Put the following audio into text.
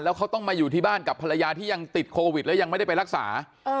เขาต้องมาอยู่ที่บ้านกับภรรยาที่ยังติดโควิดแล้วยังไม่ได้ไปรักษา